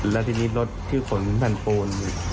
แล้วทีนี้รถที่ขนแผ่นปูน